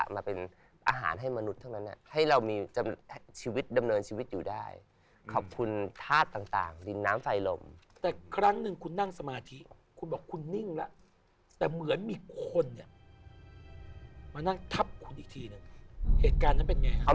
บางทีเราก็นั่งบนเตียงเพราะว่า